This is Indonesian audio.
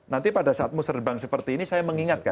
nanti pada saat muserbang seperti ini saya mengingatkan